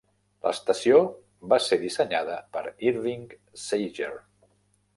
L'estació va ser dissenyada per Irving Sager.